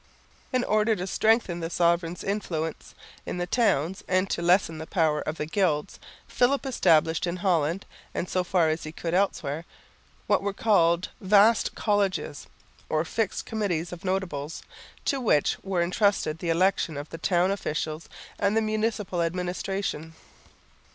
In order to strengthen the sovereign's influence in the towns, and to lessen the power of the Gilds, Philip established in Holland, and so far as he could elsewhere, what were called "vaste Colleges" or fixed committees of notables, to which were entrusted the election of the town officials and the municipal administration.